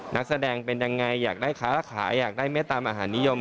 นักแสดงเป็นยังไงอยากได้ค้าขายอยากได้เมตตามอาหารนิยม